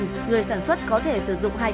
tinh bột nghệ được sản xuất có thể sử dụng hai cách